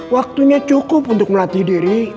waktunya cukup untuk melatih diri